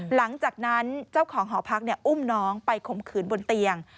หลังจากนั้นเจ้าของหอพักอุ้มน้องไปข่มขืนบนเตียง